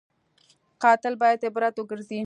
قاتل باید عبرت وګرځي